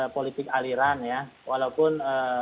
politik aliran ya walaupun